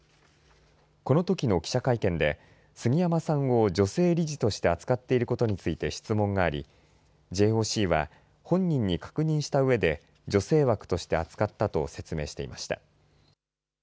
このときの記者会見で杉山さんを女性理事として扱っていることについて質問があり、ＪＯＣは、本人に確認したうえで女性枠として扱ったと説明していました。